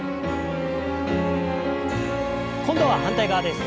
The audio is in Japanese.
今度は反対側です。